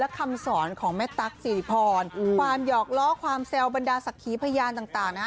คำสอนของแม่ตั๊กสิริพรความหยอกล้อความแซวบรรดาศักดิ์ขีพยานต่างนะฮะ